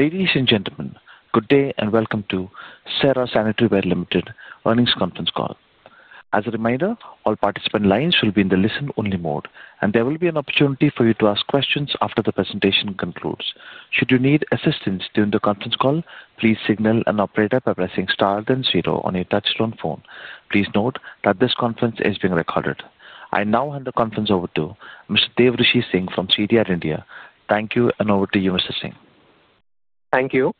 Ladies and gentlemen, good day and welcome to Cera Sanitaryware Limited earnings conference call. As a reminder, all participant lines will be in the listen-only mode, and there will be an opportunity for you to ask questions after the presentation concludes. Should you need assistance during the conference call, please signal an operator by pressing star then zero on your touch-tone phone. Please note that this conference is being recorded. I now hand the conference over to Mr. Devrishi Singh from CDR India. Thank you, and over to you, Mr. Singh. Thank you.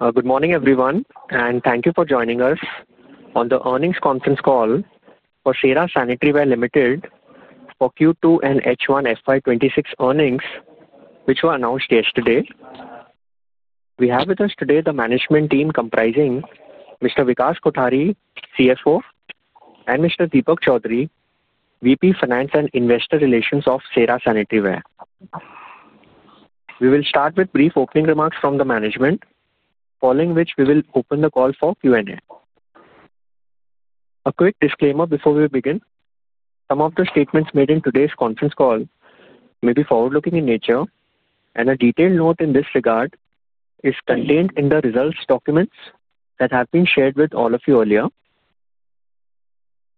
Good morning, everyone, and thank you for joining us on the earnings conference call for Cera Sanitaryware Limited for Q2 and H1 FY 2026 earnings, which were announced yesterday. We have with us today the management team comprising Mr. Vikaash Kothari, CFO, and Mr. Deepak Chaudhary, VP Finance and Investor Relations of Cera Sanitaryware. We will start with brief opening remarks from the management, following which we will open the call for Q&A. A quick disclaimer before we begin: some of the statements made in today's conference call may be forward-looking in nature, and a detailed note in this regard is contained in the results documents that have been shared with all of you earlier.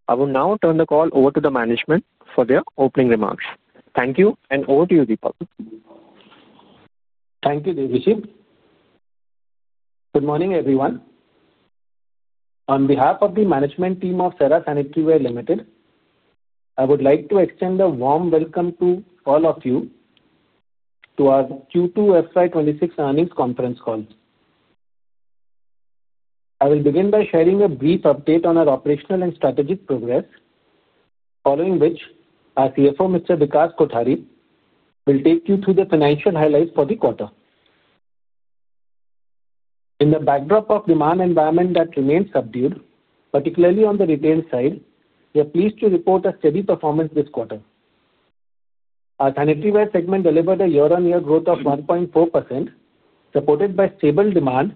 I will now turn the call over to the management for their opening remarks. Thank you, and over to you, Deepak. Thank you, Devrishi. Good morning, everyone. On behalf of the management team of Cera Sanitaryware Limited, I would like to extend a warm welcome to all of you to our Q2 FY 2026 earnings conference call. I will begin by sharing a brief update on our operational and strategic progress, following which our CFO, Mr. Vikas Kothari, will take you through the financial highlights for the quarter. In the backdrop of demand environment that remained subdued, particularly on the retail side, we are pleased to report a steady performance this quarter. Our sanitaryware segment delivered a year-on-year growth of 1.4%, supported by stable demand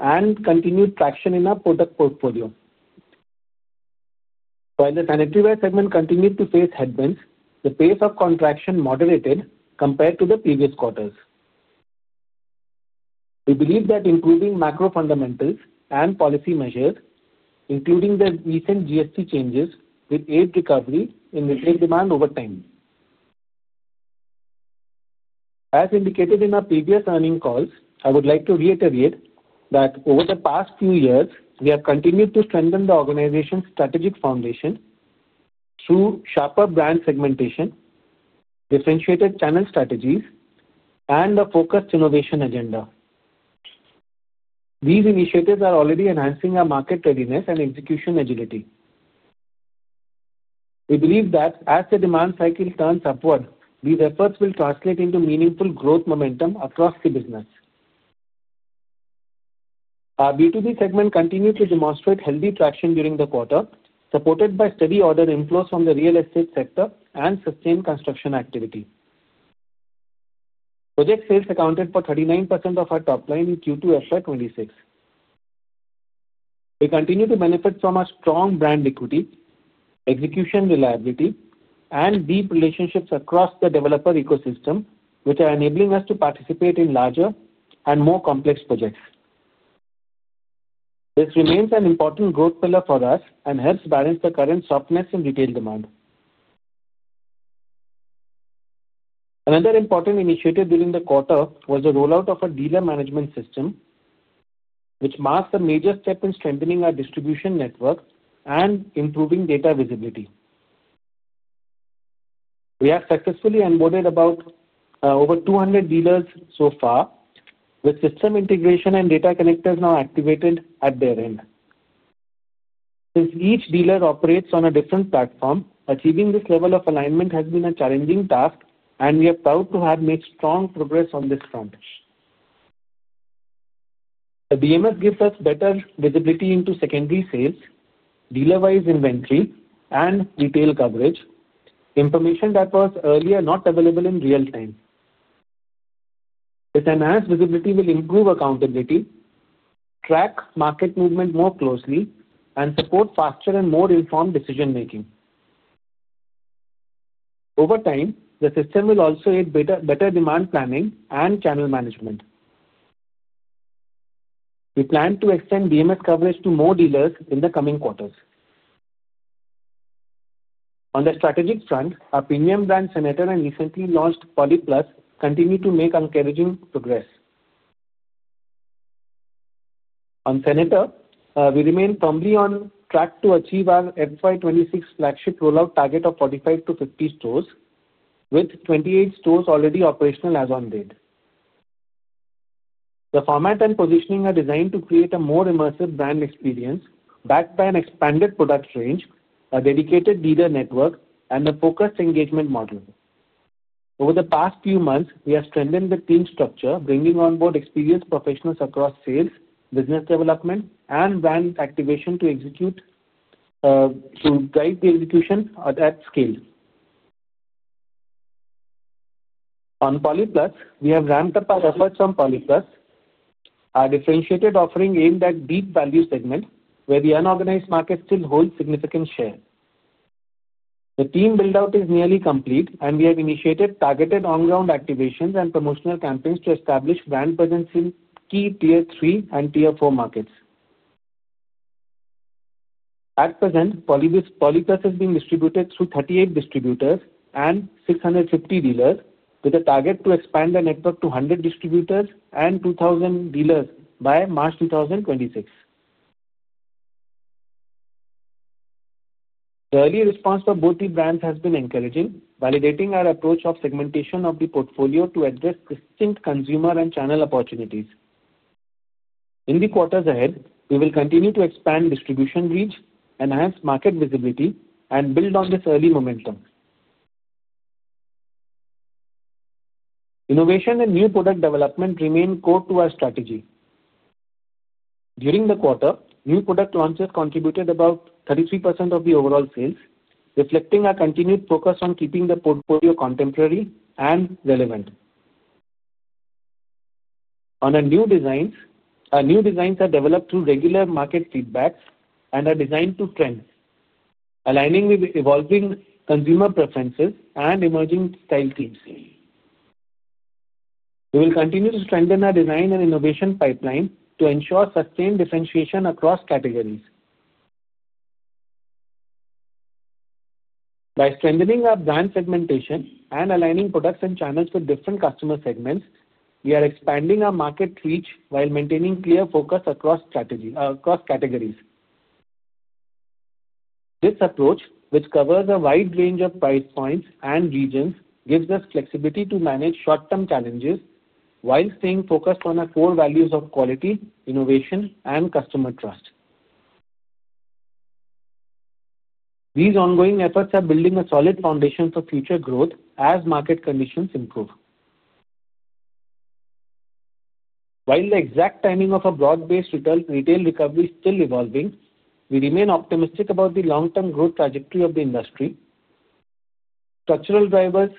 and continued traction in our product portfolio. While the sanitaryware segment continued to face headwinds, the pace of contraction moderated compared to the previous quarters. We believe that improving macro fundamentals and policy measures, including the recent GST changes, will aid recovery in retail demand over time. As indicated in our previous earnings calls, I would like to reiterate that over the past few years, we have continued to strengthen the organization's strategic foundation through sharper brand segmentation, differentiated channel strategies, and a focused innovation agenda. These initiatives are already enhancing our market readiness and execution agility. We believe that as the demand cycle turns upward, these efforts will translate into meaningful growth momentum across the business. Our B2B segment continued to demonstrate healthy traction during the quarter, supported by steady order inflows from the real estate sector and sustained construction activity. Project sales accounted for 39% of our top line in Q2 FY 2026. We continue to benefit from our strong brand equity, execution reliability, and deep relationships across the developer ecosystem, which are enabling us to participate in larger and more complex projects. This remains an important growth pillar for us and helps balance the current softness in retail demand. Another important initiative during the quarter was the rollout of a dealer management system, which marks a major step in strengthening our distribution network and improving data visibility. We have successfully onboarded over 200 dealers so far, with system integration and data connectors now activated at their end. Since each dealer operates on a different platform, achieving this level of alignment has been a challenging task, and we are proud to have made strong progress on this front. The DMS gives us better visibility into secondary sales, dealer-wise inventory, and retail coverage, information that was earlier not available in real time. This enhanced visibility will improve accountability, track market movement more closely, and support faster and more informed decision-making. Over time, the system will also aid better demand planning and channel management. We plan to extend DMS coverage to more dealers in the coming quarters. On the strategic front, our premium brand Senator and recently launched Polyplus continue to make encouraging progress. On Senator, we remain firmly on track to achieve our FY 2026 flagship rollout target of 45-50 stores, with 28 stores already operational as of date. The format and positioning are designed to create a more immersive brand experience, backed by an expanded product range, a dedicated dealer network, and a focused engagement model. Over the past few months, we have strengthened the team structure, bringing onboard experienced professionals across sales, business development, and brand activation to guide the execution at scale. On Polyplus, we have ramped up our efforts on Polyplus, our differentiated offering aimed at deep value segments, where the unorganized market still holds significant share. The team build-out is nearly complete, and we have initiated targeted on-ground activations and promotional campaigns to establish brand presence in key Tier 3 and Tier 4 markets. At present, Polyplus is being distributed through 38 distributors and 650 dealers, with a target to expand the network to 100 distributors and 2,000 dealers by March 2026. The early response from both these brands has been encouraging, validating our approach of segmentation of the portfolio to address distinct consumer and channel opportunities. In the quarters ahead, we will continue to expand distribution reach, enhance market visibility, and build on this early momentum. Innovation and new product development remain core to our strategy. During the quarter, new product launches contributed about 33% of the overall sales, reflecting our continued focus on keeping the portfolio contemporary and relevant. Our new designs are developed through regular market feedbacks and are designed to trend, aligning with evolving consumer preferences and emerging style themes. We will continue to strengthen our design and innovation pipeline to ensure sustained differentiation across categories. By strengthening our brand segmentation and aligning products and channels with different customer segments, we are expanding our market reach while maintaining clear focus across categories. This approach, which covers a wide range of price points and regions, gives us flexibility to manage short-term challenges while staying focused on our core values of quality, innovation, and customer trust. These ongoing efforts are building a solid foundation for future growth as market conditions improve. While the exact timing of a broad-based retail recovery is still evolving, we remain optimistic about the long-term growth trajectory of the industry. Structural drivers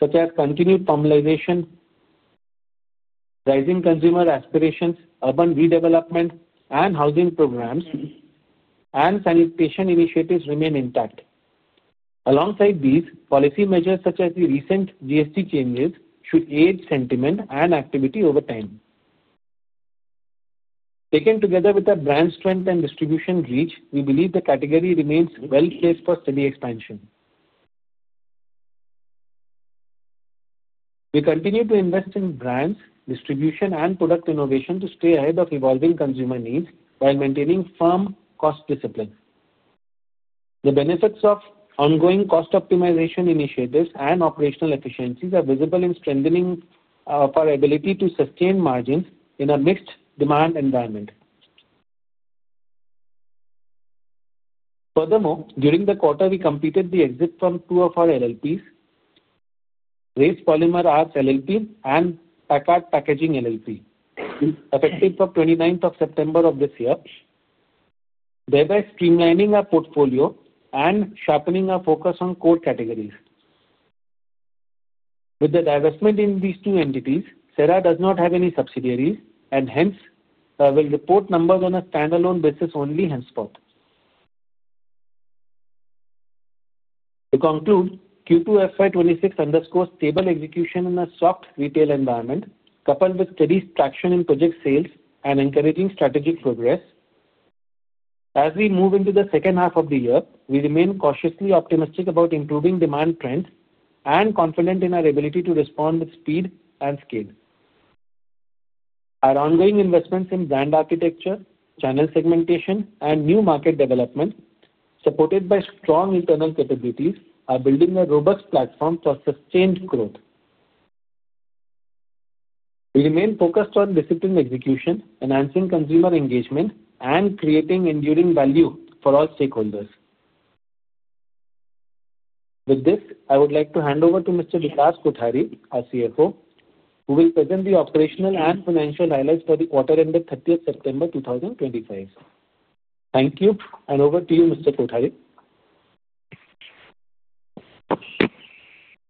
such as continued normalization, rising consumer aspirations, urban redevelopment, and housing programs and sanitation initiatives remain intact. Alongside these, policy measures such as the recent GST changes should aid sentiment and activity over time. Taken together with our brand strength and distribution reach, we believe the category remains well placed for steady expansion. We continue to invest in brands, distribution, and product innovation to stay ahead of evolving consumer needs while maintaining firm cost discipline. The benefits of ongoing cost optimization initiatives and operational efficiencies are visible in strengthening our ability to sustain margins in a mixed demand environment. Furthermore, during the quarter, we completed the exit from two of our LLPs, Race Polymer Arts LLP and Packard Packaging LLP, effective from 29th of September of this year, thereby streamlining our portfolio and sharpening our focus on core categories. With the divestment in these two entities, Cera does not have any subsidiaries and hence will report numbers on a standalone basis only henceforth. To conclude, Q2 FY 2026 underscores stable execution in a soft retail environment, coupled with steady traction in project sales and encouraging strategic progress. As we move into the second half of the year, we remain cautiously optimistic about improving demand trends and confident in our ability to respond with speed and scale. Our ongoing investments in brand architecture, channel segmentation, and new market development, supported by strong internal capabilities, are building a robust platform for sustained growth. We remain focused on disciplined execution, enhancing consumer engagement, and creating enduring value for all stakeholders. With this, I would like to hand over to Mr. Vikaash Kothari, our CFO, who will present the operational and financial highlights for the quarter ended 30th September 2025. Thank you, and over to you, Mr. Kothari.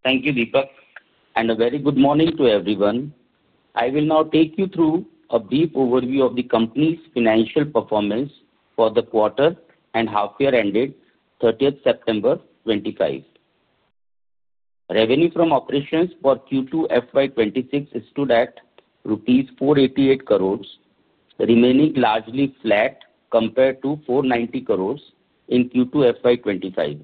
Thank you, Deepak, and a very good morning to everyone. I will now take you through a brief overview of the company's financial performance for the quarter and half-year ended 30th September 2025. Revenue from operations for Q2 FY 2026 stood at rupees 488 crores, remaining largely flat compared to 490 crores in Q2 FY 2025.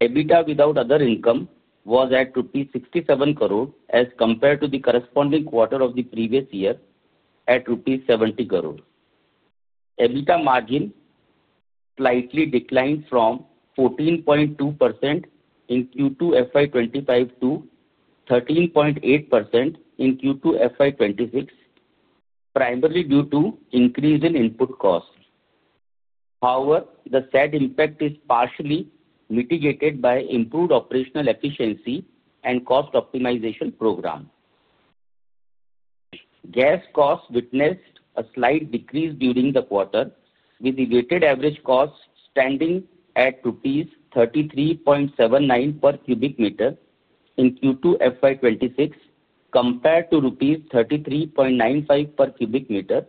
EBITDA without other income was at rupees 67 crores as compared to the corresponding quarter of the previous year at rupees 70 crores. EBITDA margin slightly declined from 14.2% in Q2 FY 2025 to 13.8% in Q2 FY 2026, primarily due to increase in input costs. However, the said impact is partially mitigated by improved operational efficiency and cost optimization program. Gas costs witnessed a slight decrease during the quarter, with the weighted average cost standing at rupees 33.79 per cubic meter in Q2 FY 2026 compared to rupees 33.95 per cubic meter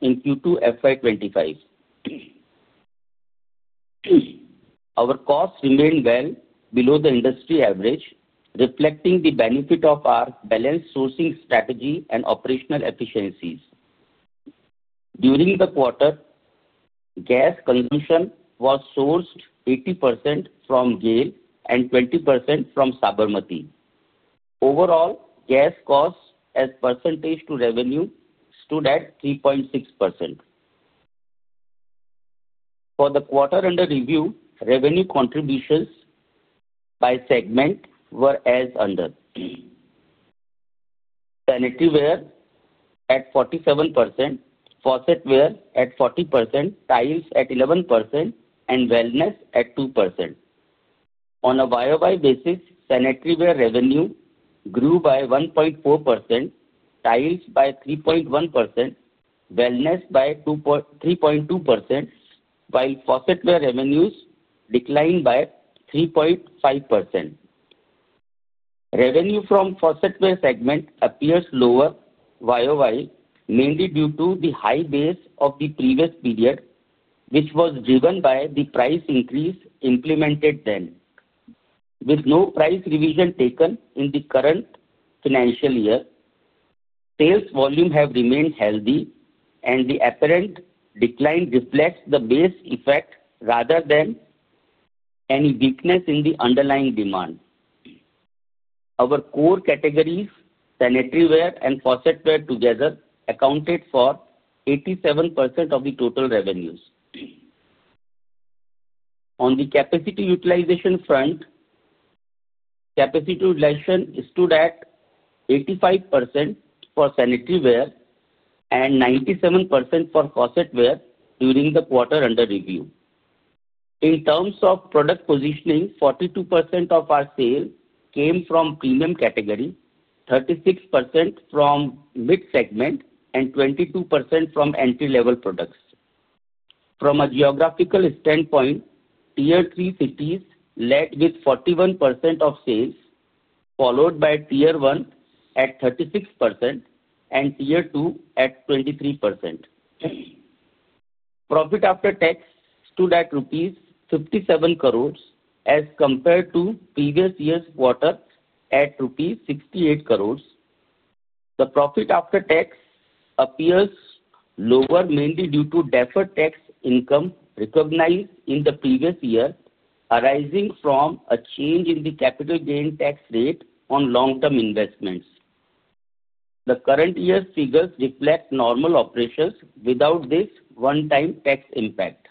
in Q2 FY 2025. Our costs remained well below the industry average, reflecting the benefit of our balanced sourcing strategy and operational efficiencies. During the quarter, gas consumption was sourced 80% from GAIL and 20% from Sabarmati. Overall, gas costs as percentage to revenue stood at 3.6%. For the quarter under review, revenue contributions by segment were as under: sanitaryware at 47%, faucetware at 40%, tiles at 11%, and wellness at 2%. On a YoY basis, sanitaryware revenue grew by 1.4%, tiles by 3.1%, wellness by 3.2%, while faucetware revenues declined by 3.5%. Revenue from faucetware segment appears lower YoY, mainly due to the high base of the previous period, which was driven by the price increase implemented then. With no price revision taken in the current financial year, sales volume have remained healthy, and the apparent decline reflects the base effect rather than any weakness in the underlying demand. Our core categories, sanitaryware and faucetware together, accounted for 87% of the total revenues. On the capacity utilization front, capacity utilization stood at 85% for sanitaryware and 97% for faucetware during the quarter under review. In terms of product positioning, 42% of our sales came from premium category, 36% from mid-segment, and 22% from entry-level products. From a geographical standpoint, Tier 3 cities led with 41% of sales, followed by Tier 1 at 36% and Tier 2 at 23%. Profit after tax stood at rupees 57 crores as compared to previous year's quarter at rupees 68 crores. The profit after tax appears lower, mainly due to deferred tax income recognized in the previous year, arising from a change in the capital gain tax rate on long-term investments. The current year's figures reflect normal operations without this one-time tax impact.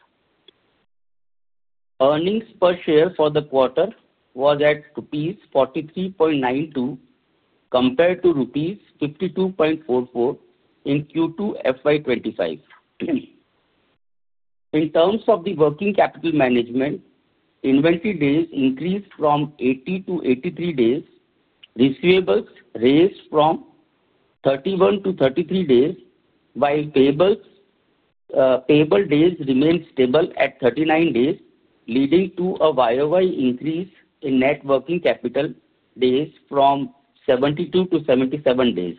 Earnings per share for the quarter was at rupees 43.92 compared to rupees 52.44 in Q2 FY 2025. In terms of the working capital management, inventory days increased from 80-83 days, receivables raised from 31-33 days, while payable days remained stable at 39 days, leading to a year-over-year increase in net working capital days from 72-77 days.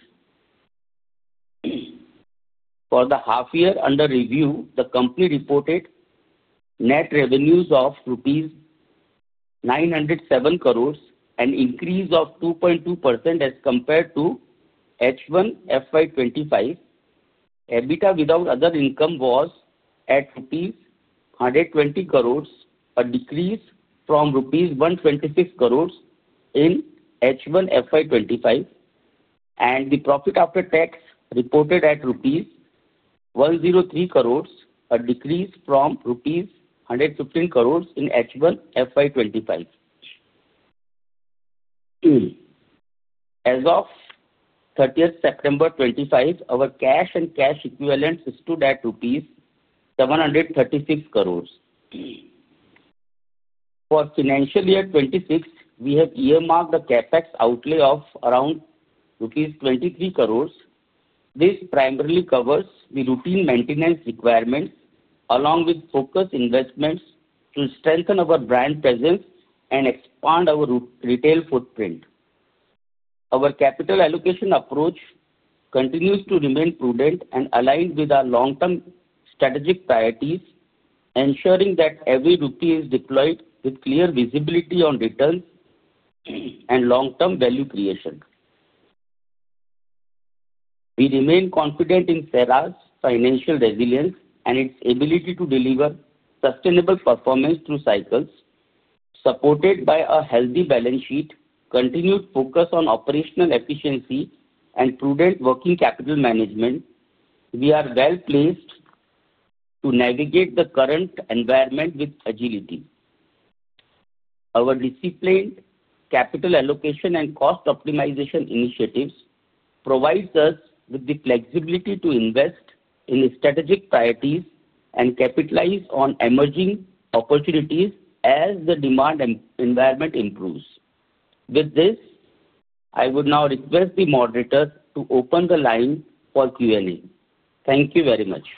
For the half-year under review, the company reported net revenues of INR 907 crores and increase of 2.2% as compared to H1 FY 2025. EBITDA without other income was at rupees 120 crores, a decrease from rupees 126 crores in H1 FY 2025, and the profit after tax reported at rupees 103 crores, a decrease from rupees 115 crores in H1 FY 2025. As of 30th September 2025, our cash and cash equivalents stood at 736 crores rupees. For financial year 2026, we have earmarked a CapEx outlay of around rupees 23 crores. This primarily covers the routine maintenance requirements along with focused investments to strengthen our brand presence and expand our retail footprint. Our capital allocation approach continues to remain prudent and aligned with our long-term strategic priorities, ensuring that every rupee is deployed with clear visibility on returns and long-term value creation. We remain confident in Cera's financial resilience and its ability to deliver sustainable performance through cycles. Supported by a healthy balance sheet, continued focus on operational efficiency, and prudent working capital management, we are well placed to navigate the current environment with agility. Our disciplined capital allocation and cost optimization initiatives provide us with the flexibility to invest in strategic priorities and capitalize on emerging opportunities as the demand environment improves. With this, I would now request the moderators to open the line for Q&A. Thank you very much.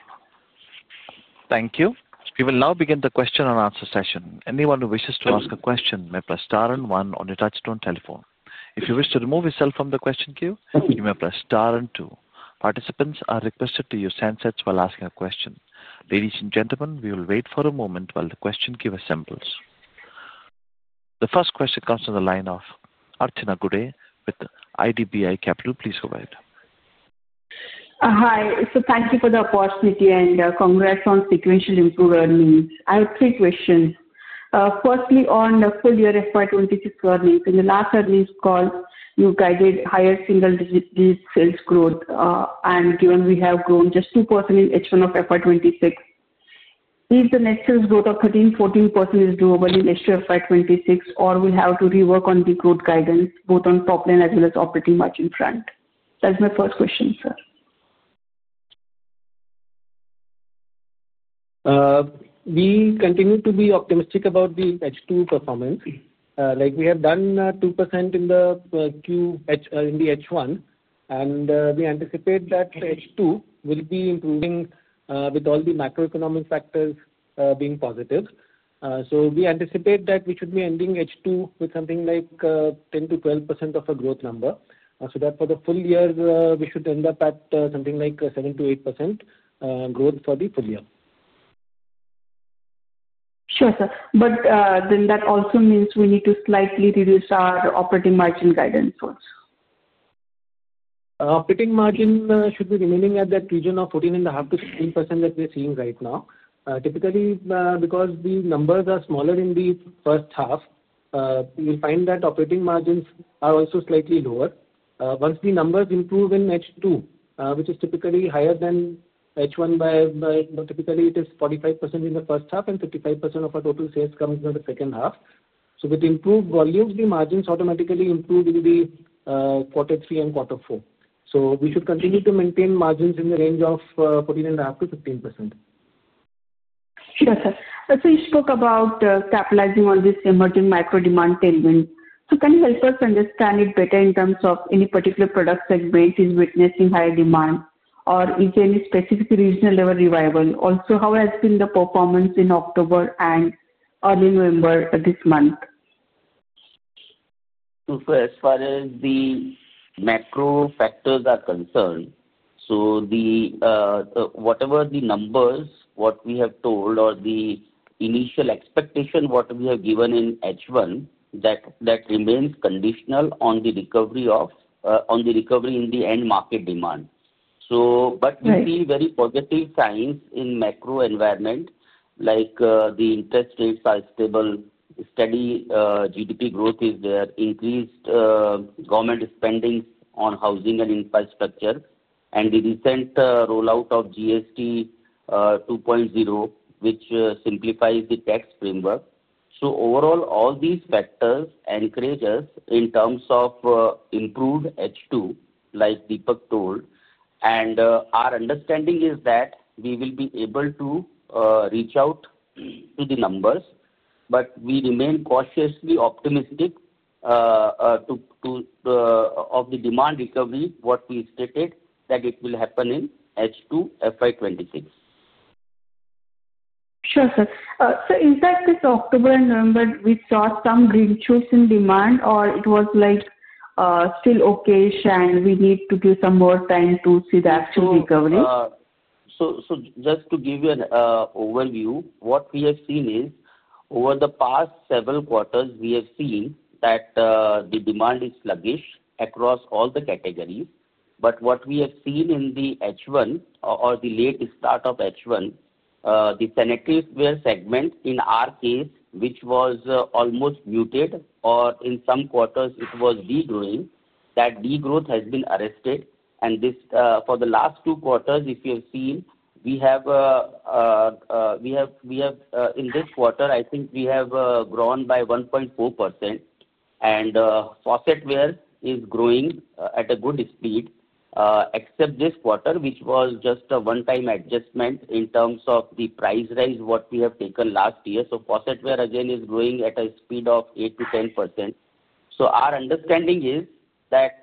Thank you. We will now begin the question-and-answer session. Anyone who wishes to ask a question may press star and one on your touchstone telephone. If you wish to remove yourself from the question queue, you may press star and two. Participants are requested to use handsets while asking a question. Ladies and gentlemen, we will wait for a moment while the question queue assembles. The first question comes from the line of Archana Gude with IDBI Capital. Please go ahead. Hi. Thank you for the opportunity and congrats on sequential improved earnings. I have three questions. Firstly, on the full year FY 2026 earnings, in the last earnings call, you guided higher single-digit sales growth, and given we have grown just 2% in H1 of FY 2026, if the net sales growth of 13%-14% is doable in H2 FY 2026, or we have to rework on the growth guidance, both on top line as well as operating margin front? That's my first question, sir. We continue to be optimistic about the H2 performance. We have done 2% in the H1, and we anticipate that H2 will be improving with all the macroeconomic factors being positive. We anticipate that we should be ending H2 with something like 10%-12% of a growth number so that for the full year, we should end up at something like 7%-8% growth for the full year. Sure, sir. But then that also means we need to slightly reduce our operating margin guidance also. Operating margin should be remaining at that region of 14.5%-16% that we're seeing right now. Typically, because the numbers are smaller in the first half, you'll find that operating margins are also slightly lower. Once the numbers improve in H2, which is typically higher than H1, typically it is 45% in the first half and 55% of our total sales comes in the second half. With improved volumes, the margins automatically improve in quarter three and quarter four. We should continue to maintain margins in the range of 14.5%-15%. Sure, sir. You spoke about capitalizing on this emerging micro-demand tag. Can you help us understand it better in terms of any particular product segment witnessing higher demand, or is there any specific regional level revival? Also, how has the performance been in October and early November this month? As far as the macro factors are concerned, whatever the numbers, what we have told, or the initial expectation what we have given in H1, that remains conditional on the recovery in the end market demand. We see very positive signs in the macro environment, like the interest rates are stable, steady GDP growth is there, increased government spending on housing and infrastructure, and the recent rollout of GST 2.0, which simplifies the tax framework. Overall, all these factors encourage us in terms of improved H2, like Deepak told, and our understanding is that we will be able to reach out to the numbers, but we remain cautiously optimistic of the demand recovery, what we stated that it will happen in H2 FY 2026. Sure, sir. So in fact, this October and November, we saw some green shoots in demand, or it was like still okay, and we need to give some more time to see the actual recovery? Just to give you an overview, what we have seen is over the past several quarters, we have seen that the demand is sluggish across all the categories. What we have seen in the first half or the late start of the first half, the sanitaryware segment in our case, which was almost muted, or in some quarters, it was degrowing, that degrowth has been arrested. For the last two quarters, if you have seen, in this quarter, I think we have grown by 1.4%, and faucetware is growing at a good speed, except this quarter, which was just a one-time adjustment in terms of the price rise we have taken last year. Faucetware again is growing at a speed of 8%-10%. Our understanding is that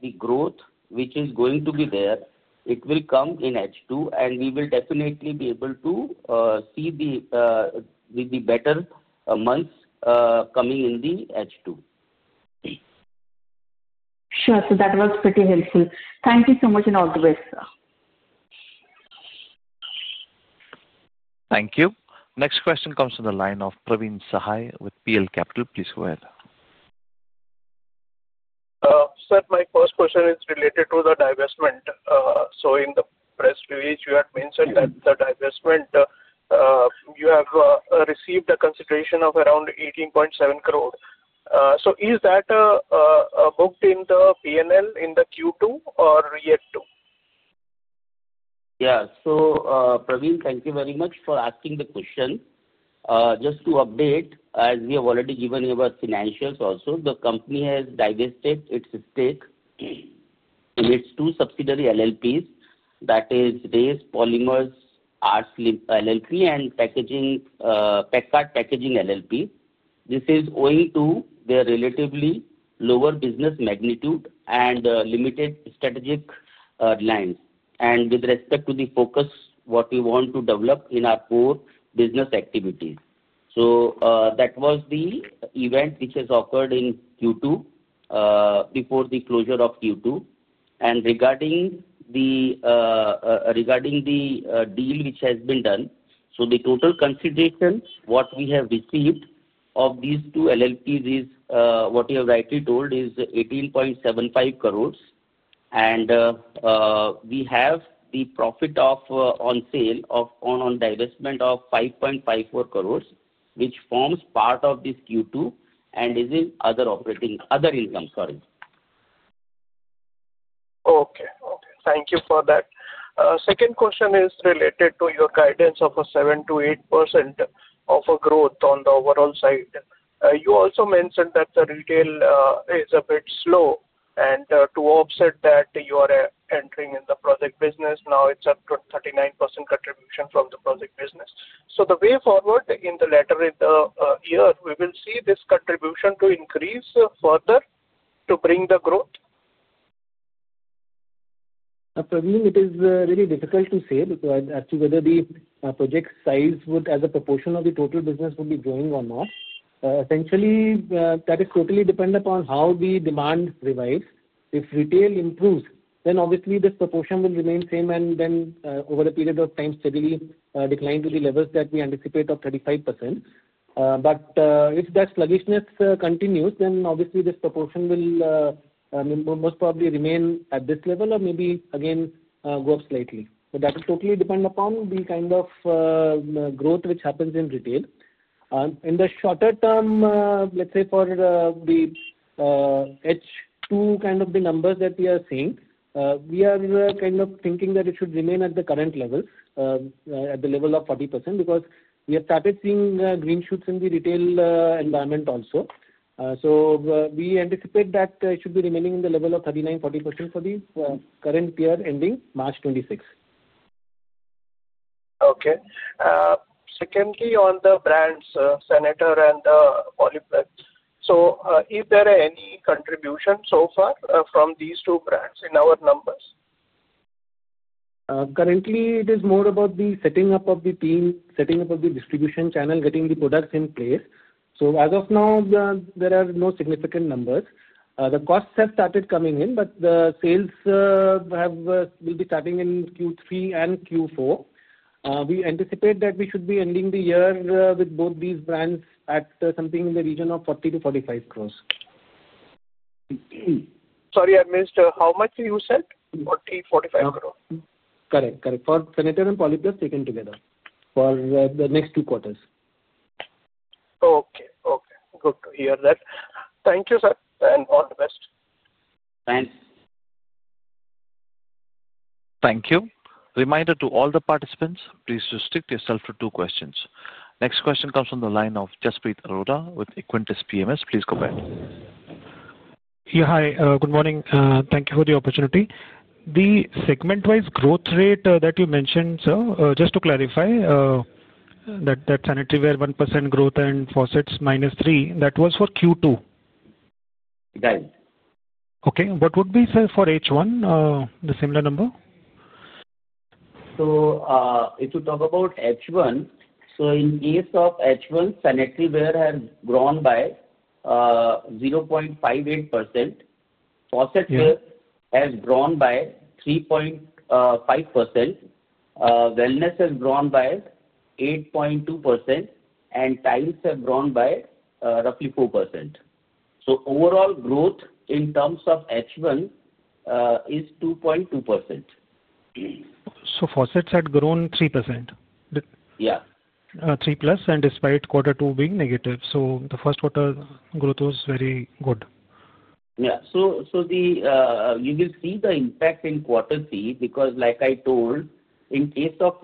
the growth, which is going to be there, it will come in H2, and we will definitely be able to see the better months coming in the H2. Sure. That was pretty helpful. Thank you so much in all the ways, sir. Thank you. Next question comes from the line of Praveen Sahay with PL Capital. Please go ahead. Sir, my first question is related to the divestment. In the press release, you had mentioned that the divestment, you have received a consideration of around 18.7 crore. Is that booked in the P&L in the Q2 or year two? Yeah. Praveen, thank you very much for asking the question. Just to update, as we have already given you about financials also, the company has divested its stake in its two subsidiary LLPs, that is Race Polymer Arts LLP and Packard Packaging LLP. This is owing to their relatively lower business magnitude and limited strategic lines. With respect to the focus, what we want to develop in our core business activities. That was the event which has occurred in Q2 before the closure of Q2. Regarding the deal which has been done, the total consideration what we have received of these two LLPs is what you have rightly told is 18.75 crores. We have the profit on sale on divestment of 5.54 crores, which forms part of this Q2 and is in other operating other income, sorry. Okay. Okay. Thank you for that. Second question is related to your guidance of a 7%-8% of a growth on the overall side. You also mentioned that the retail is a bit slow. To offset that, you are entering in the project business. Now it's up to 39% contribution from the project business. The way forward in the later in the year, we will see this contribution to increase further to bring the growth? Praveen, it is really difficult to say because actually whether the project size would as a proportion of the total business would be growing or not. Essentially, that is totally dependent upon how the demand revise. If retail improves, then obviously this proportion will remain same and then over a period of time steadily decline to the levels that we anticipate of 35%. If that sluggishness continues, then obviously this proportion will most probably remain at this level or maybe again go up slightly. That is totally dependent upon the kind of growth which happens in retail. In the shorter term, let's say for the H2 kind of the numbers that we are seeing, we are kind of thinking that it should remain at the current level, at the level of 40% because we have started seeing green chips in the retail environment also. We anticipate that it should be remaining in the level of 39%-40% for the current year ending March 2026. Okay. Secondly, on the brands, Senator and Polyplus, is there any contribution so far from these two brands in our numbers? Currently, it is more about the setting up of the team, setting up of the distribution channel, getting the products in place. As of now, there are no significant numbers. The costs have started coming in, but the sales will be starting in Q3 and Q4. We anticipate that we should be ending the year with both these brands at something in the region of 40 crore-45 crore. Sorry, I missed how much you said? 40 crore, 4 crore? Correct. Correct. For Sanitaryware and Polyplus taken together for the next two quarters. Okay. Okay. Good to hear that. Thank you, sir, and all the best. Thanks. Thank you. Reminder to all the participants, please restrict yourself to two questions. Next question comes from the line of Jaspreet Arora with Equentis PMS. Please go ahead. Yeah. Hi. Good morning. Thank you for the opportunity. The segment-wise growth rate that you mentioned, sir, just to clarify, that sanitaryware 1% growth and faucets -3%, that was for Q2? Right. Okay. What would be for H1, the similar number? If you talk about H1, in case of H1, sanitaryware has grown by 0.58%. Faucets have grown by 3.5%. Wellness has grown by 8.2%, and tiles have grown by roughly 4%. Overall growth in terms of H1 is 2.2%. Faucets had grown 3%? Yeah. 3% plus, and despite quarter two being negative, the first quarter growth was very good. Yeah. You will see the impact in quarter three because, like I told, in case of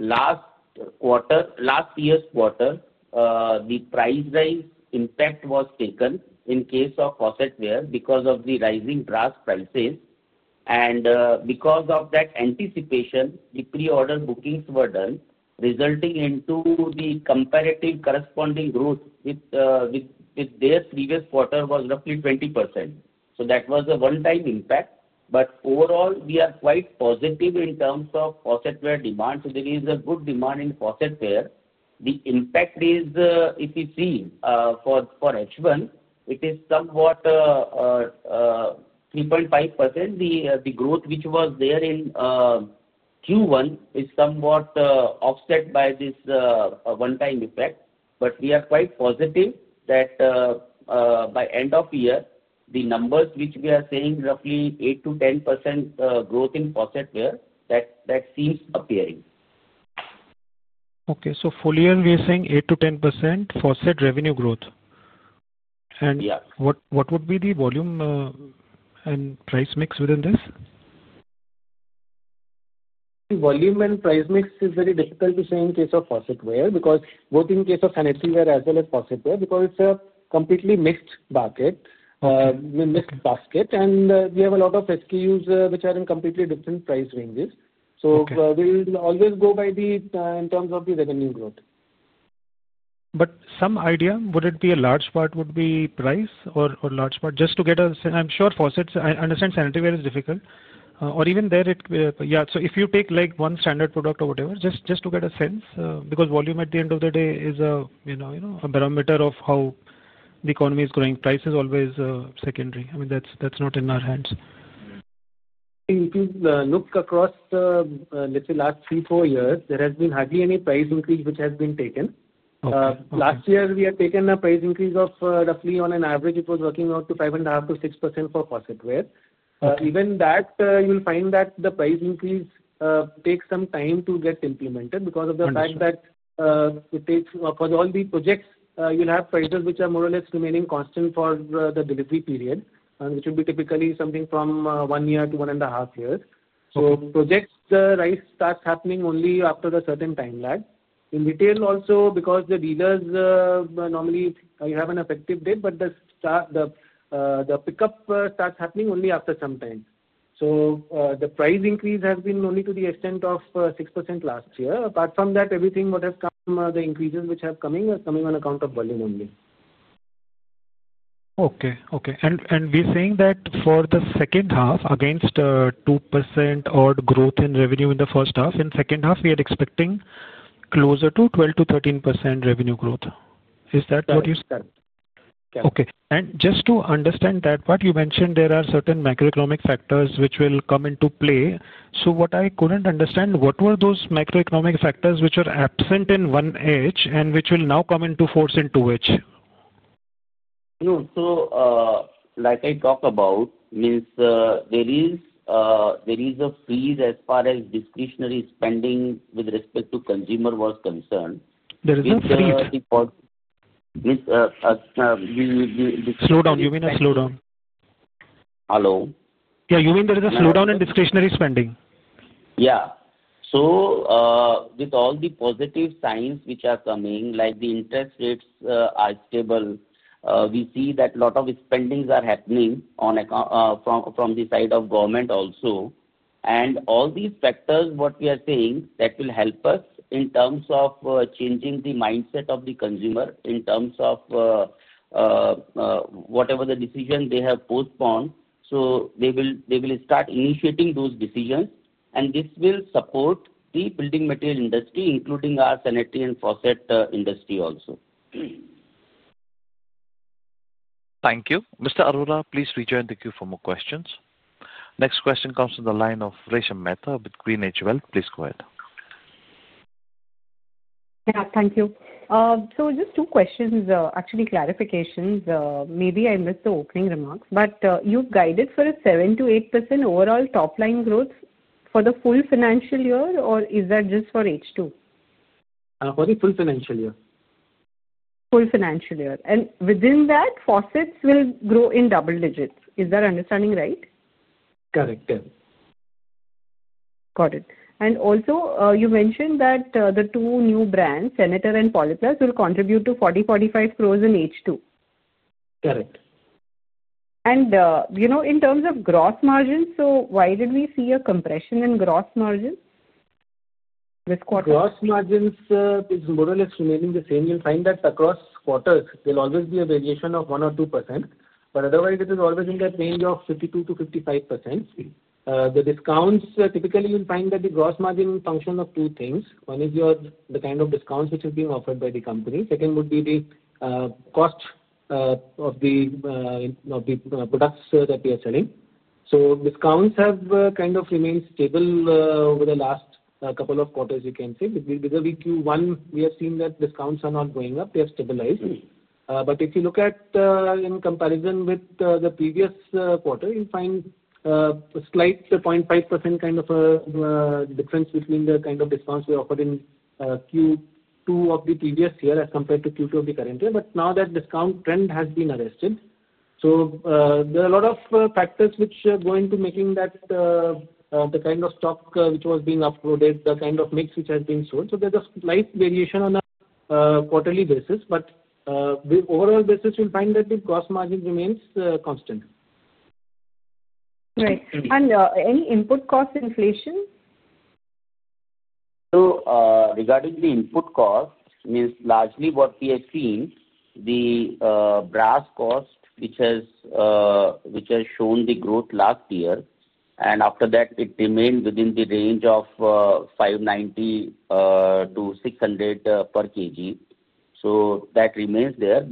faucetware, last year's quarter, the price rise impact was taken in case of faucetware because of the rising brass prices. Because of that anticipation, the pre-order bookings were done, resulting into the comparative corresponding growth with the previous quarter was roughly 20%. That was a one-time impact. Overall, we are quite positive in terms of faucetware demand. There is a good demand in faucetware. The impact is, if you see, for H1, it is somewhat 3.5%. The growth which was there in Q1 is somewhat offset by this one-time effect. We are quite positive that by end of year, the numbers which we are seeing, roughly 8%-10% growth in faucetware, that seems appearing. Okay. So full year, we are seeing 8%-10% faucet revenue growth. And what would be the volume and price mix within this? Volume and price mix is very difficult to say in case of faucetware because both in case of sanitaryware as well as faucetware, because it's a completely mixed basket, and we have a lot of SKUs which are in completely different price ranges. We will always go by the in terms of the revenue growth. Some idea, would it be a large part would be price or large part? Just to get a sense, I'm sure faucets, I understand sanitaryware is difficult. Or even there, yeah, if you take one standard product or whatever, just to get a sense, because volume at the end of the day is a barometer of how the economy is growing. Price is always secondary. I mean, that's not in our hands. If you look across, let's say, last three, four years, there has been hardly any price increase which has been taken. Last year, we had taken a price increase of roughly, on an average, it was working out to 5.5%-6% for faucetware. Even that, you will find that the price increase takes some time to get implemented because of the fact that it takes for all the projects, you'll have prices which are more or less remaining constant for the delivery period, which would be typically something from one year to one and a half years. Project rise starts happening only after a certain time lag. In retail also, because the dealers normally have an effective date, but the pickup starts happening only after some time. The price increase has been only to the extent of 6% last year. Apart from that, everything what has come, the increases which are coming, are coming on account of volume only. Okay. Okay. We are saying that for the second half, against 2% odd growth in revenue in the first half, in the second half, we are expecting closer to 12%-13% revenue growth. Is that what you? Correct. Correct. Okay. Just to understand that, what you mentioned, there are certain macroeconomic factors which will come into play. What I could not understand, what were those macroeconomic factors which are absent in 1H and which will now come into force in 2H? No. Like I talked about, means there is a freeze as far as discretionary spending with respect to consumer was concerned. There is a freeze. Means the. Slow down. You mean a slowdown? Hello? Yeah. You mean there is a slowdown in discretionary spending? Yeah. With all the positive signs which are coming, like the interest rates are stable, we see that a lot of spendings are happening from the side of government also. All these factors, what we are saying, that will help us in terms of changing the mindset of the consumer in terms of whatever the decision they have postponed. They will start initiating those decisions, and this will support the building material industry, including our sanitary and faucet industry also. Thank you. Mr. Arora, please rejoin the queue for more questions. Next question comes from the line of Resha Mehta, GreenEdge Wealth. Please go ahead. Yeah. Thank you. So just two questions, actually clarifications. Maybe I missed the opening remarks, but you've guided for a 7%-8% overall top-line growth for the full financial year, or is that just for H2? For the full financial year. Full financial year. Within that, faucets will grow in double digits. Is that understanding right? Correct. Yes. Got it. Also, you mentioned that the two new brands, Senator and Polyplus, will contribute to 40 crore-45 crore in H2. Correct. In terms of gross margins, why did we see a compression in gross margins this quarter? Gross margins, it's more or less remaining the same. You'll find that across quarters, there'll always be a variation of 1% or 2%. Otherwise, it is always in that range of 52%-55%. The discounts, typically, you'll find that the gross margin is a function of two things. One is the kind of discounts which are being offered by the company. Second would be the cost of the products that we are selling. Discounts have kind of remained stable over the last couple of quarters, you can say. With the weak Q1, we have seen that discounts are not going up. They have stabilized. If you look at in comparison with the previous quarter, you'll find a slight 0.5% kind of difference between the kind of discounts we offered in Q2 of the previous year as compared to Q2 of the current year. Now that discount trend has been arrested. There are a lot of factors which are going to making that the kind of stock which was being uploaded, the kind of mix which has been sold. There is a slight variation on a quarterly basis. On an overall basis, you'll find that the gross margin remains constant. Right. Any input cost inflation? Regarding the input cost, means largely what we are seeing, the brass cost, which has shown the growth last year. After that, it remained within the range of 590 crore-600 crore per kg. That remains there.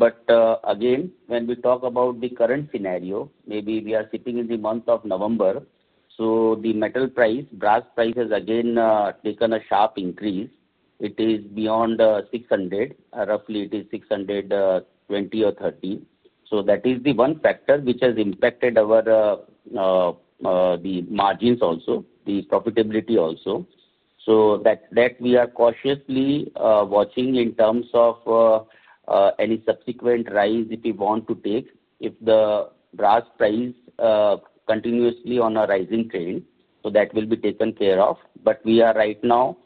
Again, when we talk about the current scenario, maybe we are sitting in the month of November, so the metal price, brass price has again taken a sharp increase. It is beyond 600 crore. Roughly, it is 620 crore or 630 crore. That is the one factor which has impacted our margins also, the profitability also. We are cautiously watching in terms of any subsequent rise if we want to take. If the brass price is continuously on a rising trend, that will be taken care of. We are right now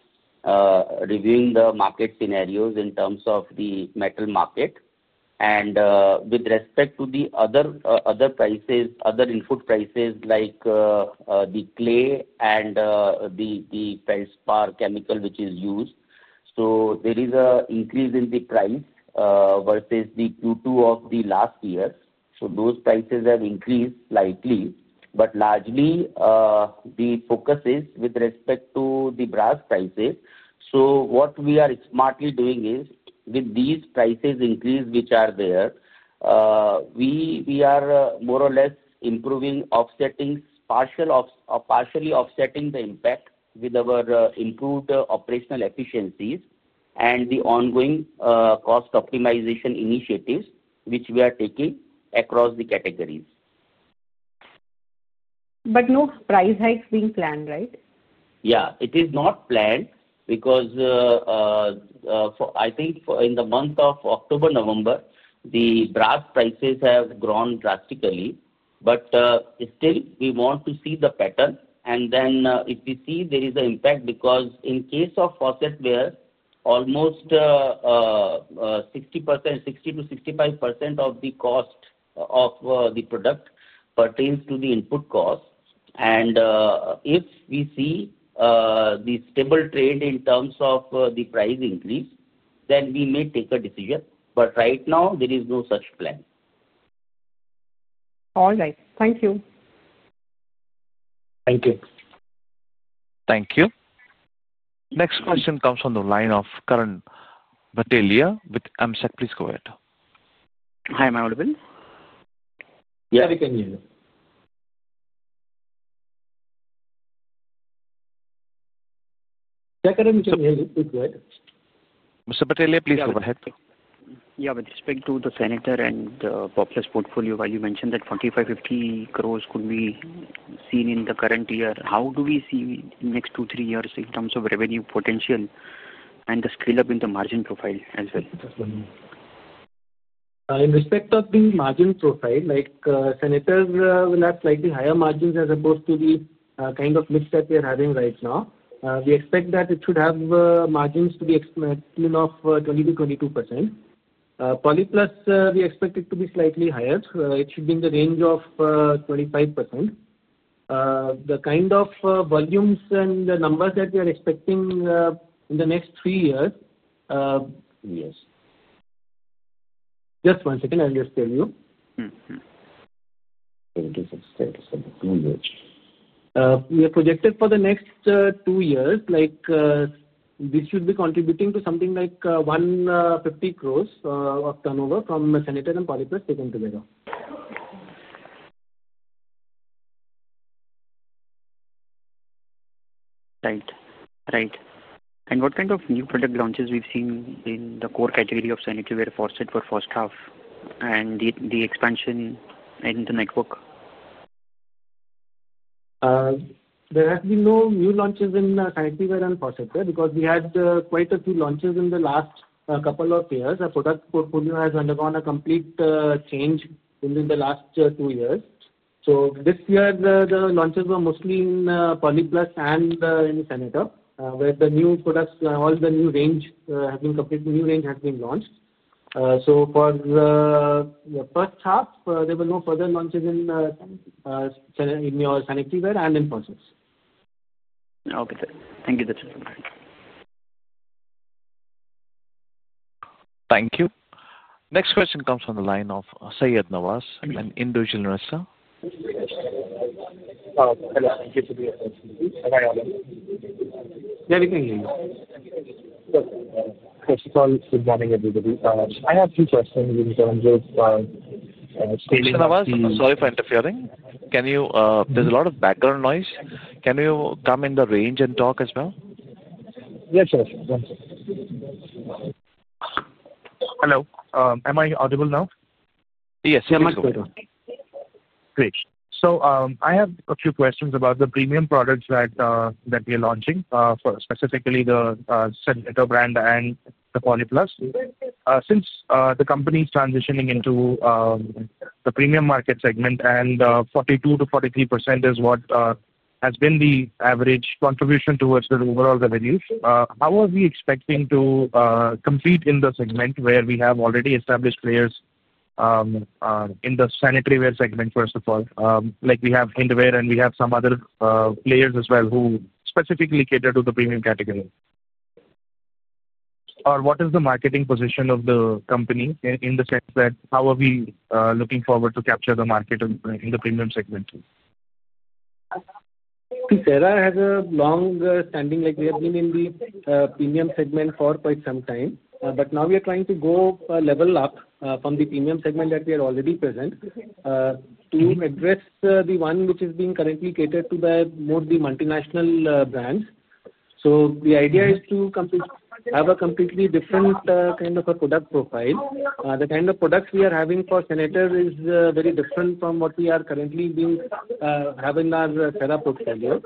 reviewing the market scenarios in terms of the metal market. With respect to the other input prices like the clay and the feldspar chemical which is used, there is an increase in the price versus the Q2 of the last year. Those prices have increased slightly. Largely, the focus is with respect to the brass prices. What we are smartly doing is with these prices increased which are there, we are more or less improving, partially offsetting the impact with our improved operational efficiencies and the ongoing cost optimization initiatives which we are taking across the categories. No price hikes being planned, right? Yeah. It is not planned because I think in the month of October-November, the brass prices have grown drastically. Still, we want to see the pattern. If we see there is an impact because in case of faucetware, almost 60%-65% of the cost of the product pertains to the input cost. If we see the stable trade in terms of the price increase, we may take a decision. Right now, there is no such plan. All right. Thank you. Thank you. Thank you. Next question comes from the line of Karan Bhateliya with AMSAC. Please go ahead. Hi, my audience. Yeah, we can hear you. Mr. Bhateliya, please go ahead. Yeah. With respect to the sanitaryware and faucetware portfolio, while you mentioned that 45 crore-50 crore could be seen in the current year, how do we see next two, three years in terms of revenue potential and the scale-up in the margin profile as well? In respect of the margin profile, sanitary will have slightly higher margins as opposed to the kind of mix that we are having right now. We expect that it should have margins to be in the excess of 20%-22%. Polyplus, we expect it to be slightly higher. It should be in the range of 25%. The kind of volumes and the numbers that we are expecting in the next three years. Yes. Just one second, I'll just tell you. We are projected for the next two years, this should be contributing to something like 150 crores of turnover from sanitary and Polyplus taken together. Right. Right. And what kind of new product launches we've seen in the core category of sanitaryware faucet for first half and the expansion in the network? There have been no new launches in sanitaryware and faucetware because we had quite a few launches in the last couple of years. Our product portfolio has undergone a complete change within the last two years. This year, the launches were mostly in Polyplus and in sanitaryware where the new products, all the new range, has been completely new range has been launched. For the first half, there were no further launches in sanitaryware and in faucets. Okay. Thank you, Dr. Thank you. Next question comes from the line of Syed Nawaz from Indoojil Nursa. Hello. Thank you for the opportunity. My audience. Yeah, we can hear you. First of all, good morning, everybody. I have two questions in terms of scaling. Mr. Nawaz, sorry for interfering. There's a lot of background noise. Can you come in the range and talk as well? Yes, sir. One second. Hello. Am I audible now? Yes. Yeah, microphone. Great. I have a few questions about the premium products that we are launching, specifically the sanitaryware brand and the Polyplus. Since the company is transitioning into the premium market segment, and 42%-43% is what has been the average contribution towards the overall revenues, how are we expecting to compete in the segment where we have already established players in the sanitaryware segment, first of all? We have Hindware, and we have some other players as well who specifically cater to the premium category. What is the marketing position of the company in the sense that how are we looking forward to capture the market in the premium segment? Cera has a long standing. We have been in the premium segment for quite some time. Now we are trying to go a level up from the premium segment that we are already present to address the one which is being currently catered to by more of the multinational brands. The idea is to have a completely different kind of a product profile. The kind of products we are having for sanitaryware is very different from what we are currently having in our Cera portfolio.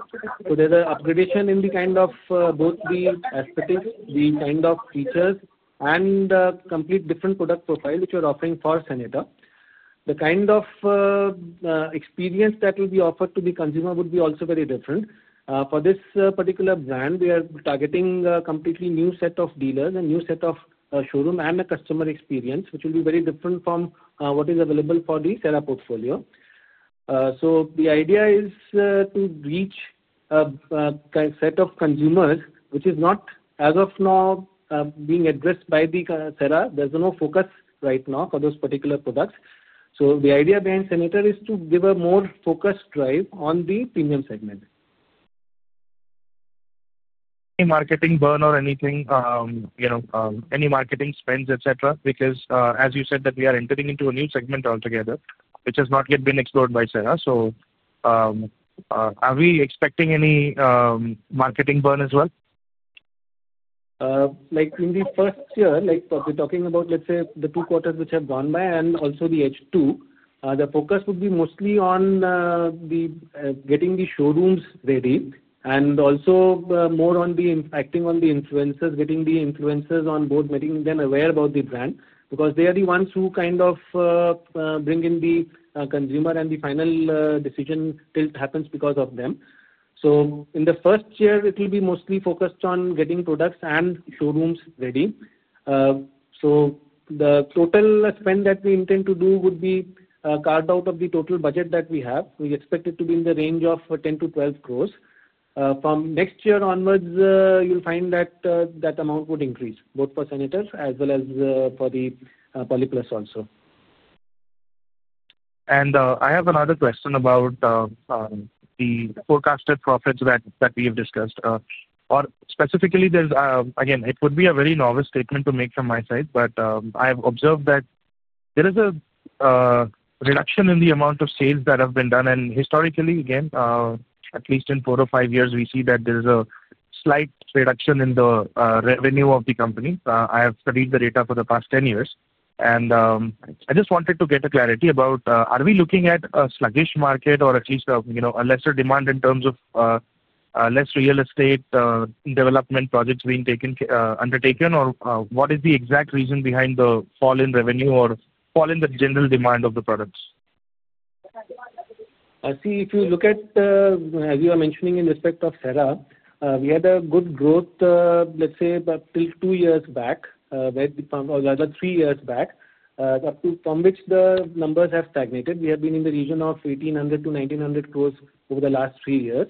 There is an upgradation in both the aesthetics, the kind of features, and a completely different product profile which we are offering for sanitaryware. The kind of experience that will be offered to the consumer would be also very different. For this particular brand, we are targeting a completely new set of dealers and a new set of showroom and a customer experience, which will be very different from what is available for the Cera portfolio. The idea is to reach a set of consumers which is not, as of now, being addressed by Cera. There is no focus right now for those particular products. The idea behind sanitaryware is to give a more focused drive on the premium segment. Any marketing burn or anything, any marketing spends, etc.? Because, as you said, that we are entering into a new segment altogether, which has not yet been explored by Cera. Are we expecting any marketing burn as well? In the first year, we're talking about, let's say, the two quarters which have gone by and also the H2. The focus would be mostly on getting the showrooms ready and also more acting on the influencers, getting the influencers on board, making them aware about the brand because they are the ones who kind of bring in the consumer, and the final decision tilt happens because of them. In the first year, it will be mostly focused on getting products and showrooms ready. The total spend that we intend to do would be carved out of the total budget that we have. We expect it to be in the range of 10 crore-12 crore. From next year onwards, you'll find that that amount would increase, both for sanitaryware as well as for the Polyplus also. I have another question about the forecasted profits that we have discussed. Specifically, again, it would be a very novice statement to make from my side, but I have observed that there is a reduction in the amount of sales that have been done. Historically, again, at least in four or five years, we see that there is a slight reduction in the revenue of the company. I have studied the data for the past 10 years. I just wanted to get clarity about, are we looking at a sluggish market or at least a lesser demand in terms of less real estate development projects being undertaken, or what is the exact reason behind the fall in revenue or fall in the general demand of the products? See, if you look at, as you are mentioning in respect of Cera, we had a good growth, let's say, up till two years back, or rather three years back, from which the numbers have stagnated. We have been in the region of 1,800 crore-1,900 crore over the last three years.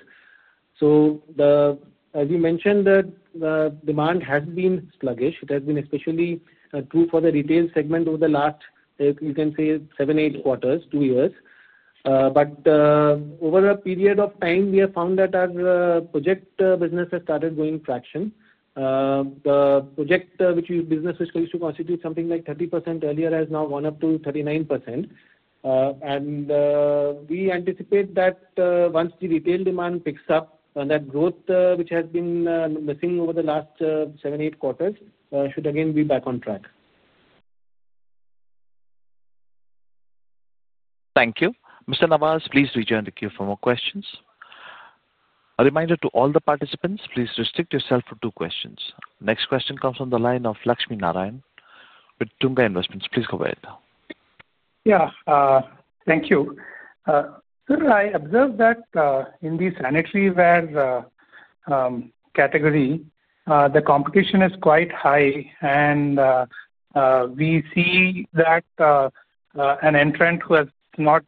As you mentioned, the demand has been sluggish. It has been especially true for the retail segment over the last, you can say, seven-eight quarters, two years. Over a period of time, we have found that our project business has started going fraction. The project business, which used to constitute something like 30% earlier, has now gone up to 39%. We anticipate that once the retail demand picks up and that growth which has been missing over the last seven-eight quarters should again be back on track. Thank you. Mr. Nawaz, please rejoin the queue for more questions. A reminder to all the participants, please restrict yourself to two questions. Next question comes from the line of Lakshmi Narayan with Tunga Investments. Please go ahead. Yeah. Thank you. I observed that in the sanitaryware category, the competition is quite high. We see that an entrant who has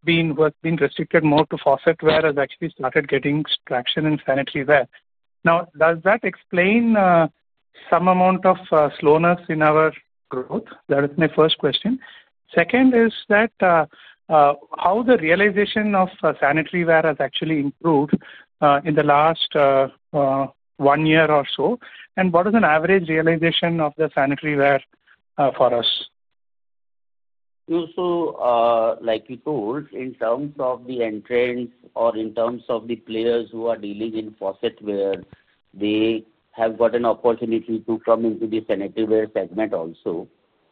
been restricted more to faucetware has actually started getting traction in sanitaryware. Now, does that explain some amount of slowness in our growth? That is my first question. Second is that how the realization of sanitaryware has actually improved in the last one year or so? What is an average realization of the sanitaryware for us? Like you told, in terms of the entrants or in terms of the players who are dealing in faucetware, they have got an opportunity to come into the sanitaryware segment also.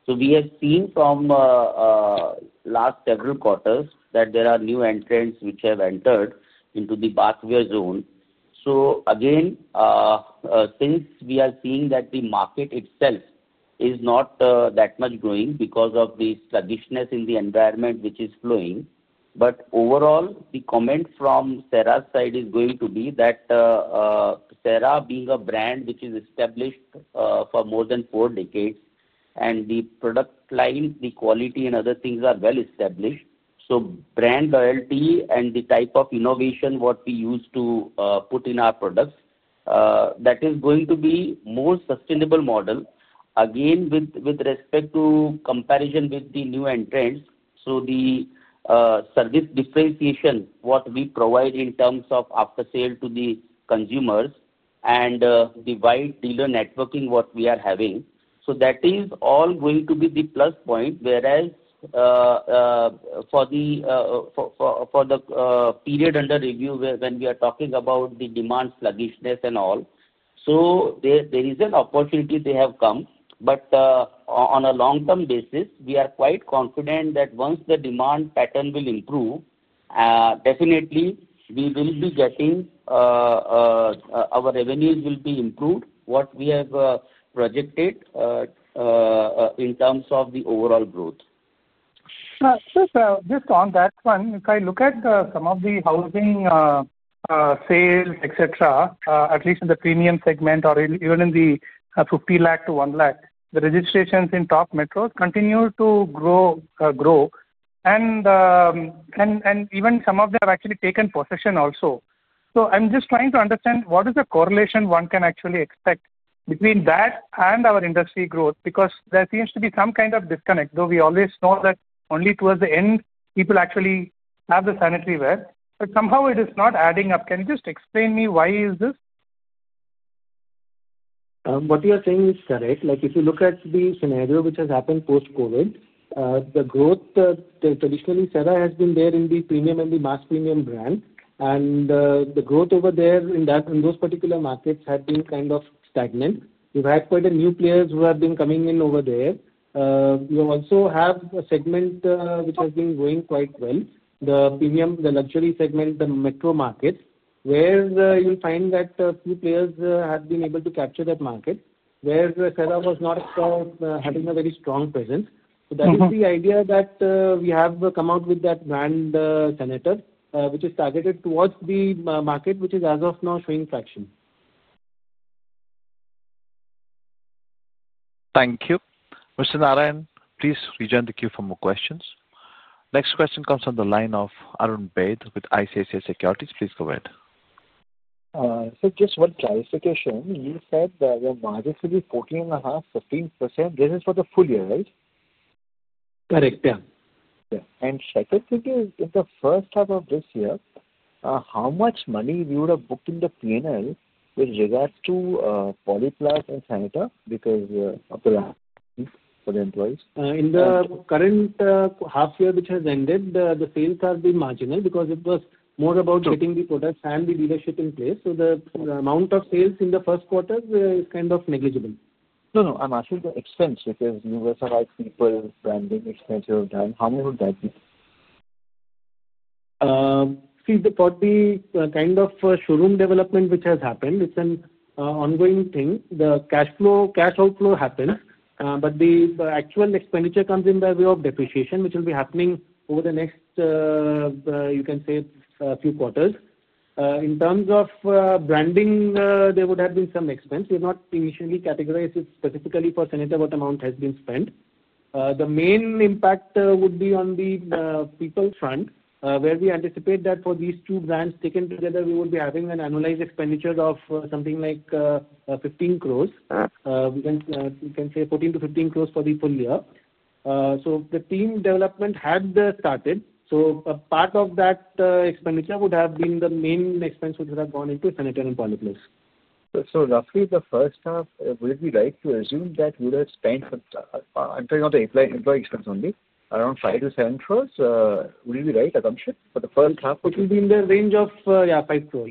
We have seen from last several quarters that there are new entrants which have entered into the bathware zone. Again, since we are seeing that the market itself is not that much growing because of the sluggishness in the environment which is flowing, overall, the comment from Cera's side is going to be that Cera being a brand which is established for more than four decades, and the product line, the quality, and other things are well established. Brand loyalty and the type of innovation what we use to put in our products, that is going to be a more sustainable model. Again, with respect to comparison with the new entrants, the service differentiation we provide in terms of after-sale to the consumers and the wide dealer networking we are having, that is all going to be the plus point. Whereas for the period under review, when we are talking about the demand sluggishness and all, there is an opportunity they have come. On a long-term basis, we are quite confident that once the demand pattern will improve, definitely, we will be getting our revenues will be improved what we have projected in terms of the overall growth. Just on that one, if I look at some of the housing sales, etc., at least in the premium segment or even in the 50 lakh to 1 lakh, the registrations in top metros continue to grow, and even some of them have actually taken possession also. I'm just trying to understand what is the correlation one can actually expect between that and our industry growth because there seems to be some kind of disconnect, though we always know that only towards the end, people actually have the sanitaryware. Somehow, it is not adding up. Can you just explain to me why is this? What you are saying is correct. If you look at the scenario which has happened post-COVID, the growth traditionally, Cera has been there in the premium and the mass premium brand. The growth over there in those particular markets has been kind of stagnant. We've had quite a few new players who have been coming in over there. We also have a segment which has been growing quite well, the premium, the luxury segment, the metro market, where you'll find that a few players have been able to capture that market where Cera was not having a very strong presence. That is the idea that we have come out with, that brand sanitaryware which is targeted towards the market which is, as of now, showing traction. Thank you. Mr. Narayan, please rejoin the queue for more questions. Next question comes from the line of Arun Baid with ICICI Securities. Please go ahead. Just one clarification. You said the margin should be 14.5%-15%. This is for the full year, right? Correct. Yeah. Second thing is, in the first half of this year, how much money would you have booked in the P&L with regards to Polyplus and sanitaryware because of the rise for the employees? In the current half year which has ended, the sales have been marginal because it was more about getting the products and the dealership in place. The amount of sales in the first quarter is kind of negligible. No, no. I'm asking the expense because you also have people spending expenses over time. How many would that be? See, for the kind of showroom development which has happened, it's an ongoing thing. The cash outflow happens, but the actual expenditure comes in by way of depreciation, which will be happening over the next, you can say, a few quarters. In terms of branding, there would have been some expense. We have not initially categorized it specifically for sanitaryware what amount has been spent. The main impact would be on the people front, where we anticipate that for these two brands taken together, we would be having an annualized expenditure of something like 15 crore, you can say 14 crore-15 crore for the full year. The team development had started. A part of that expenditure would have been the main expense which would have gone into sanitaryware and Polyplus. So roughly, the first half, would it be right to assume that we would have spent for, I'm talking about the employee expense only, around 5 crore-7 crore? Would it be right, Akanshi, for the first half? It will be in the range of, yeah, 5 crore.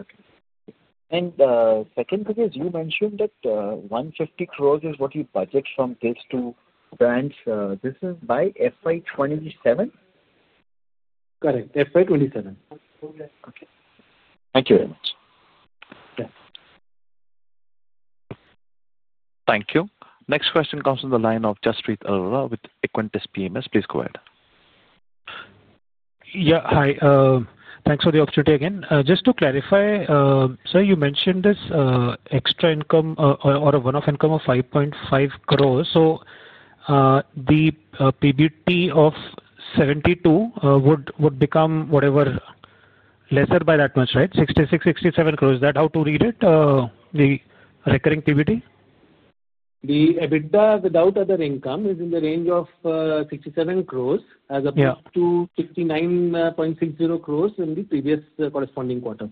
Okay. Second thing is you mentioned that 150 crores is what you budget from these two brands. This is by FY 2027? Correct. FY 2027. Okay. Thank you very much. Thank you. Next question comes from the line of Jaspreet Arora with Equentis PMS. Please go ahead. Yeah. Hi. Thanks for the opportunity again. Just to clarify, sir, you mentioned this extra income or a one-off income of 5.5 crores. So the PBT of 72 crores would become whatever lesser by that much, right? 66 crore-67 crore. Is that how to read it, the recurring PBT? The EBITDA, without other income, is in the range of 67 crore as opposed to 59.60 crore in the previous corresponding quarter.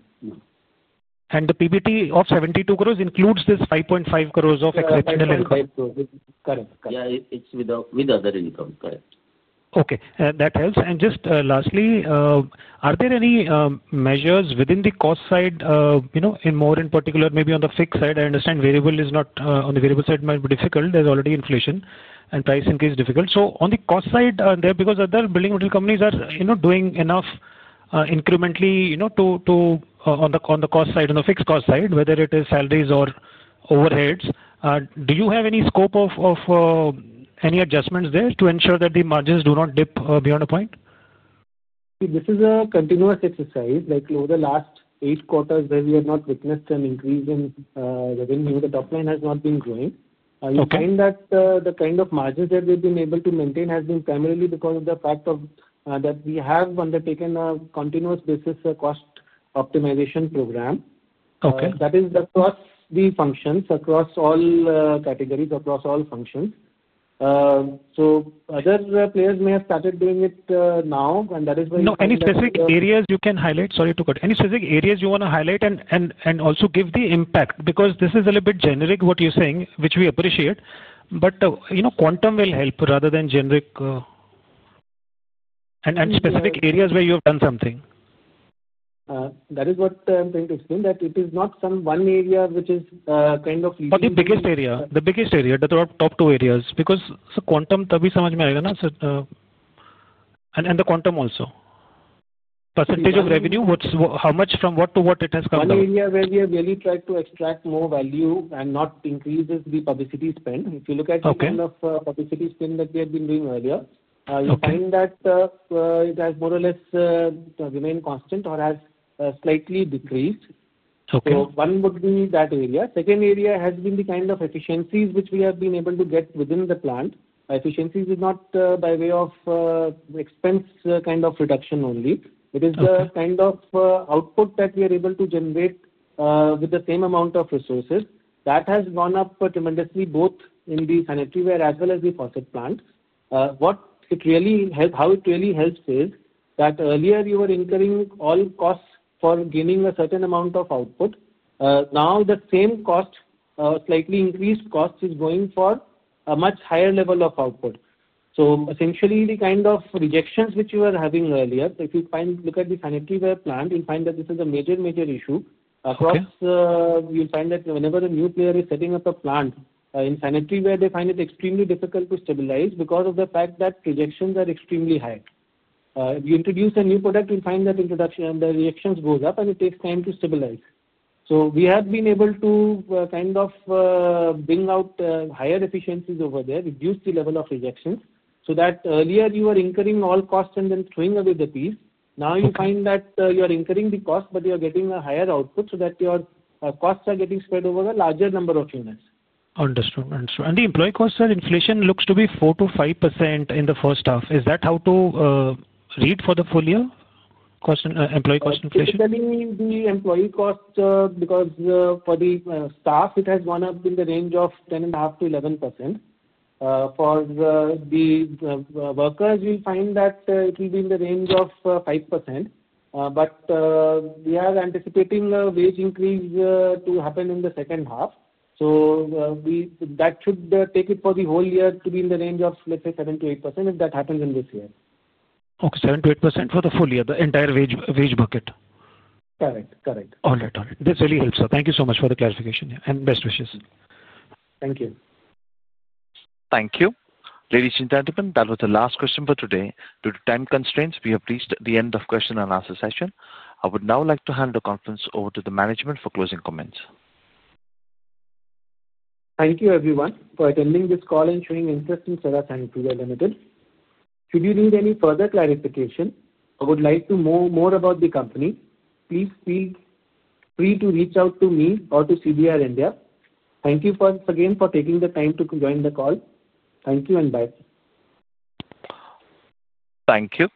The PBT of 72 crore includes this 5.5 crore of exceptional income? 5.5 crores. Correct. Correct. Yeah, it's with other income. Correct. Okay. That helps. Just lastly, are there any measures within the cost side, in more particular, maybe on the fixed side? I understand variable is not, on the variable side might be difficult. There is already inflation and price increase difficult. On the cost side there, because other building companies are doing enough incrementally on the cost side, on the fixed cost side, whether it is salaries or overheads, do you have any scope of any adjustments there to ensure that the margins do not dip beyond a point? This is a continuous exercise. Over the last eight quarters, where we have not witnessed an increase in revenue, the top line has not been growing. You find that the kind of margins that we've been able to maintain has been primarily because of the fact that we have undertaken a continuous basis cost optimization program. That is across the functions, across all categories, across all functions. Other players may have started doing it now, and that is why it's not. No. Any specific areas you can highlight? Sorry to cut. Any specific areas you want to highlight and also give the impact? Because this is a little bit generic what you're saying, which we appreciate, but quantum will help rather than generic and specific areas where you have done something. That is what I'm trying to explain, that it is not some one area which is kind of. The biggest area, the top two areas. Because quantum to be, you understand, and the quantum also. Percentage of revenue, how much from what to what it has come down? One area where we have really tried to extract more value and not increase is the publicity spend. If you look at the kind of publicity spend that we have been doing earlier, you find that it has more or less remained constant or has slightly decreased. One would be that area. The second area has been the kind of efficiencies which we have been able to get within the plant. Efficiencies is not by way of expense kind of reduction only. It is the kind of output that we are able to generate with the same amount of resources. That has gone up tremendously, both in the sanitaryware as well as the faucet plant. What it really helps, how it really helps is that earlier, you were incurring all costs for gaining a certain amount of output. Now, the same cost, slightly increased cost, is going for a much higher level of output. Essentially, the kind of rejections which you were having earlier, if you look a t the sanitaryware plant, you'll find that this is a major, major issue. You'll find that whenever a new player is setting up a plant in sanitaryware, they find it extremely difficult to stabilize because of the fact that rejections are extremely high. If you introduce a new product, you'll find that the rejections go up and it takes time to stabilize. We have been able to kind of bring out higher efficiencies over there, reduce the level of rejections, so that earlier, you were incurring all costs and then throwing away the piece. Now, you find that you are incurring the cost, but you are getting a higher output so that your costs are getting spread over a larger number of units. Understood. Understood. The employee costs, sir, inflation looks to be 4%-5% in the first half. Is that how to read for the full year? Employee cost inflation? If you're telling me the employee cost, because for the staff, it has gone up in the range of 10.5%-11%. For the workers, you'll find that it will be in the range of 5%. We are anticipating a wage increase to happen in the second half. That should take it for the whole year to be in the range of, let's say, 7%-8% if that happens in this year. Okay. 7%-8% for the full year, the entire wage bucket. Correct. Correct. All right. All right. This really helps, sir. Thank you so much for the clarification. Best wishes. Thank you. Thank you. Ladies and gentlemen, that was the last question for today. Due to time constraints, we have reached the end of question-and-answer session. I would now like to hand the conference over to the management for closing comments. Thank you, everyone, for attending this call and showing interest in Cera Sanitaryware Limited. Should you need any further clarification or would like to know more about the company, please feel free to reach out to me or to CDR India. Thank you once again for taking the time to join the call. Thank you and bye. Thank you.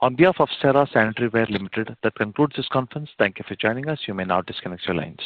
On behalf of Cera Sanitaryware Limited, that concludes this conference. Thank you for joining us. You may now disconnect your lines.